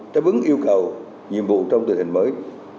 trái bứng yêu cầu nhiệm vụ trong tình hình mới